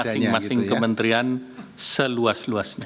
masing masing kementerian seluas luasnya